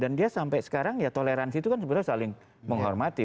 dan dia sampai sekarang ya toleransi itu kan sebenarnya saling menghormati